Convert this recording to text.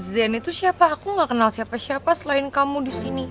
zen itu siapa aku gak kenal siapa siapa selain kamu di sini